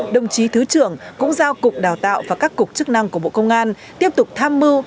đồng chí thứ trưởng cũng giao cục đào tạo và các cục chức năng của bộ công an tiếp tục tham mưu